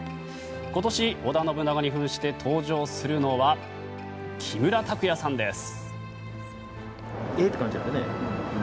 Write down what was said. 今年、織田信長に扮して登場するのは木村拓哉さんです。